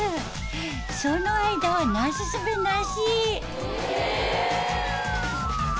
その間はなすすべなし。